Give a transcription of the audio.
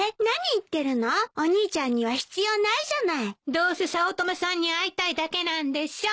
どうせ早乙女さんに会いたいだけなんでしょう？